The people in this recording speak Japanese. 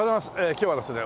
今日はですね